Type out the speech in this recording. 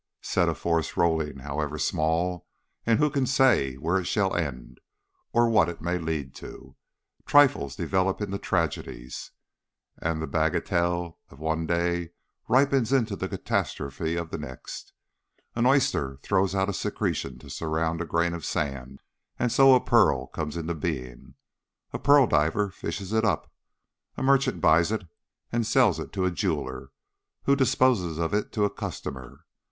Set a force rolling, however small; and who can say where it shall end, or what it may lead to! Trifles develop into tragedies, and the bagatelle of one day ripens into the catastrophe of the next. An oyster throws out a secretion to surround a grain of sand, and so a pearl comes into being; a pearl diver fishes it up, a merchant buys it and sells it to a jeweller, who disposes of it to a customer.